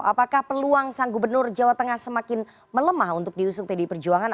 apakah peluang sang gubernur jawa tengah semakin melemah untuk diusung pdi perjuangan